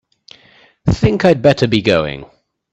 Think I'd better be going.